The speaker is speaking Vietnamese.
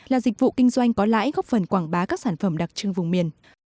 là dịch vụ kinh doanh có lãi góp phần quảng bá các sản phẩm đặc trưng vùng miền